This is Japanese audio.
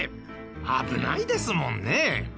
危ないですもんね。